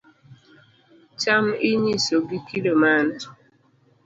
Cham inyiso gi kido mane